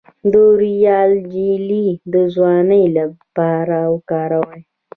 د رویال جیلی د ځوانۍ لپاره وکاروئ